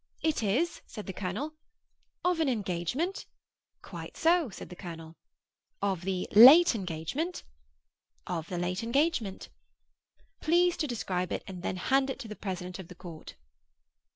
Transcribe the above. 'It is,' said the colonel. 'Of an engagement?' 'Quite so,' said the colonel. 'Of the late engagement?' 'Of the late engagement.' 'Please to describe it, and then hand it to the president of the court.